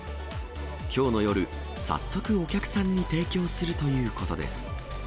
きょうの夜、早速、お客さんに提供するということです。